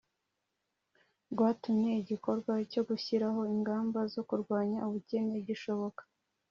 rwatumye igikorwa cyo gushyiraho ingamba zo kurwanya ubukene gishoboka